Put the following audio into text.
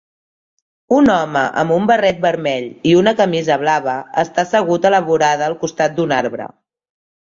Un home amb un barret vermell i una camisa blava està assegut a la vorada al costat d"un arbre.